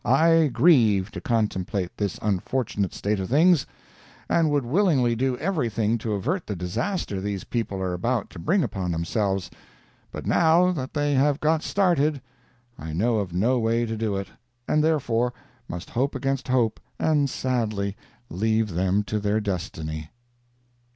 I grieve to contemplate this unfortunate state of things, and would willingly do everything to avert the disaster these people are about to bring upon themselves, but now that they have got started I know of no way to do it, and therefore must hope against hope and sadly leave them to their destiny.